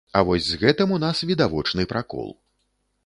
А вось з гэтым у нас відавочны пракол.